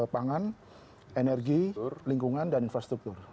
pangan energi lingkungan dan infrastruktur